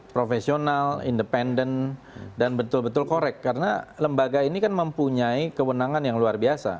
profesional independen dan betul betul korek karena lembaga ini kan mempunyai kewenangan yang luar biasa